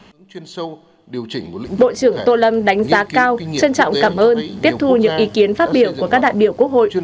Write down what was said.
bộ trưởng tô lâm đánh giá cao trân trọng cảm ơn tiếp thu những ý kiến phát biểu của các đại biểu quốc hội